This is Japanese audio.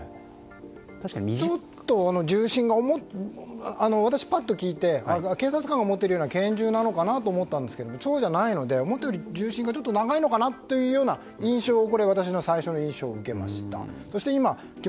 ちょっとパッと聞いたときに警察官が持っているような拳銃なのかなと思ったんですがそうじゃないので思ったより銃身がちょっと長いのかなという印象を私、最初に印象を受けました。